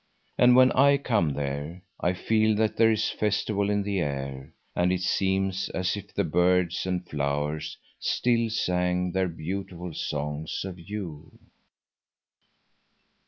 And when I come there, I feel that there is festival in the air, and it seems as if the birds and flowers still sang their beautiful songs of you.